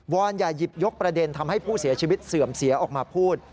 อนอย่าหยิบยกประเด็นทำให้ผู้เสียชีวิตเสื่อมเสียออกมาพูด